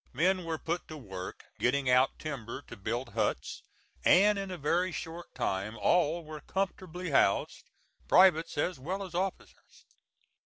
Men were put to work getting out timber to build huts, and in a very short time all were comfortably housed privates as well as officers.